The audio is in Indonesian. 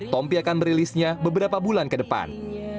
tompi akan merilisnya beberapa bulan ke depan